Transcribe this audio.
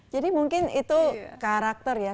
jadi mungkin itu karakter ya